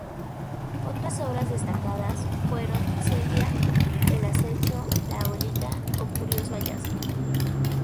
Otras obras destacadas fueron ""Celia", "El acecho", "la abuelita"" o ""Curioso hallazgo".